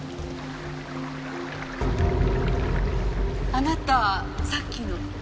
あなたさっきの？